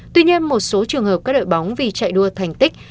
tuy nhiên một số trường hợp các đội bóng vì chạy đua thành tích